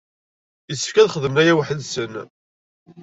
Yessefk ad xedmen aya weḥd-sen.